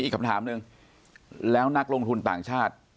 อีกคำถามหนึ่งแล้วนักลงทุนต่างชาติ